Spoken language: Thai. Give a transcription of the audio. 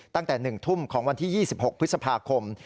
ตั้งแต่๑ทุ่มของวันที่๒๖พฤษภาคม